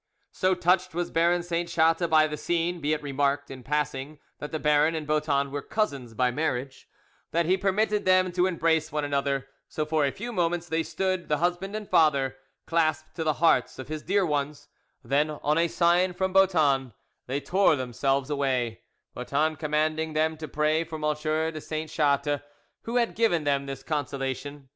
So touched was Baron Saint Chatte by the scene (be it remarked in passing that the baron and Boeton were cousins by marriage) that he permitted them to embrace one another, so for a few moments they stood, the husband and father clasped to the hearts of his dear ones; then, on a sign from Boeton, they tore themselves away, Boeton commanding them to pray for M. de Saint Chatte, who had given them this consolation.